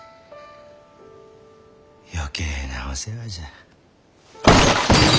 余計なお世話じゃ。